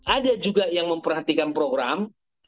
ada juga yang memperhatikan program